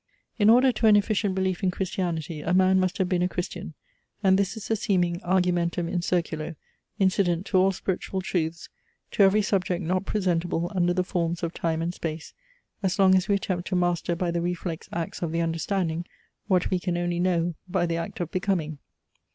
In order to an efficient belief in Christianity, a man must have been a Christian, and this is the seeming argumentum in circulo, incident to all spiritual Truths, to every subject not presentable under the forms of Time and Space, as long as we attempt to master by the reflex acts of the Understanding what we can only know by the act of becoming.